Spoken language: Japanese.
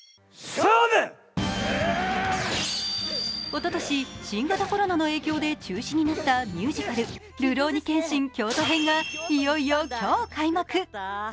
おととし、新型コロナの影響で中止になったミュージカル「るろうに剣心京都編」がいよいよ今日開幕。